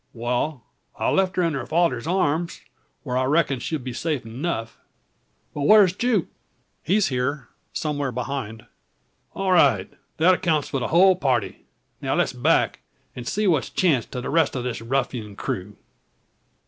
"Wal, I left her in her father's arums, whar I reckon she'll be safe enough. But whar's Jupe?" "He's here somewhere behind." "All right! That accounts for the hul party. Now let's back, and see what's chanced to the rest o' this ruffin crew.